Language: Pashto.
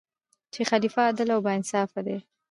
چې خلیفه عادل او با انصافه دی.